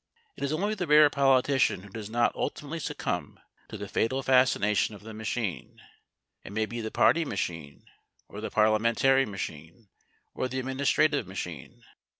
It is only the rare politician who does not ultimately succumb to the fatal fascination of the machine. It may be the party machine or the Parliamentary machine or the administrative machine.